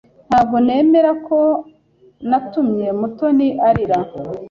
Ntabwo nemera ko natumye Mutoni arira.